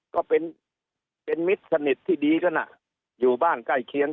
ก็เป็นเป็นมิตรสนิทที่ดีกันอยู่บ้านใกล้เคียง